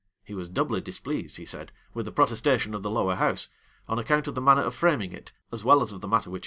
He was doubly displeased, he said, with the protestation of the lower house, on account of the manner of framing it, as well as of the matter which it contained.